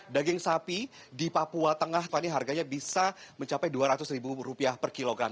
daging sapi di papua tengah tadi harganya bisa mencapai rp dua ratus ribu rupiah per kilogram